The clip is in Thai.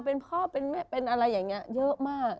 เป็นพ่อเป็นแม่เป็นอะไรอย่างนี้เยอะมาก